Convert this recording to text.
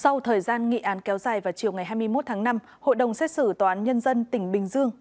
sau thời gian nghị án kéo dài vào chiều ngày hai mươi một tháng năm hội đồng xét xử tòa án nhân dân tỉnh bình dương